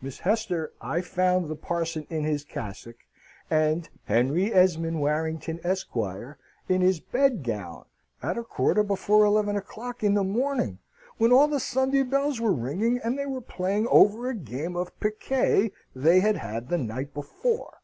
"Miss Hester, I found the parson in his cassock, and Henry Esmond Warrington, Esquire, in his bedgown, at a quarter before eleven o'clock in the morning, when all the Sunday bells were ringing, and they were playing over a game of piquet they had had the night before!"